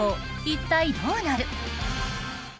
一体どうなる？